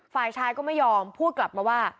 ฝ่ายชายก็ไม่ยอมพูดกลับมาว่า